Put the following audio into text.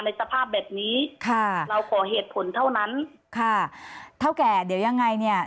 สภาพแบบนี้ค่ะเราขอเหตุผลเท่านั้นค่ะเท่าแก่เดี๋ยวยังไงเนี่ย